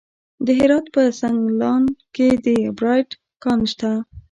د هرات په سنګلان کې د بیرایت کان شته.